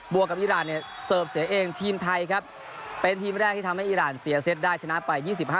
วกกับอีรานเนี่ยเสิร์ฟเสียเองทีมไทยครับเป็นทีมแรกที่ทำให้อีรานเสียเซตได้ชนะไป๒๕